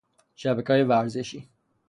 شبکه های ورزشی